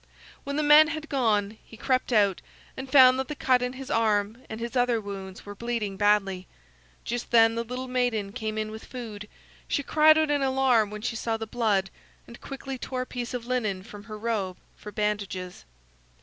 When the men had gone, he crept out, and found that the cut in his arm and his other wounds were bleeding badly. Just then the little maiden came in with food. She cried out in alarm when she saw the blood, and quickly tore a piece of linen from her robe for bandages.